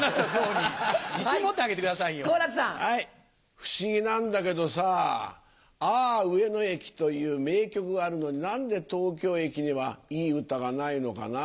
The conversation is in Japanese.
不思議なんだけどさ『あゝ上野駅』という名曲があるのに何で東京駅にはいい歌がないのかなぁ。